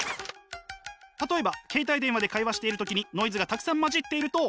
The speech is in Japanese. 例えば携帯電話で会話している時にノイズがたくさん混じっていると。